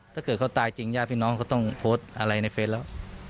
ถ้าเกิดเขาตายจริงญาติพี่น้องเขาต้องโพสต์อะไรในเฟซแล้ว